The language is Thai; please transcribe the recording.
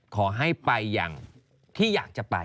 ขอให้ไปอย่างที่อยากจะไป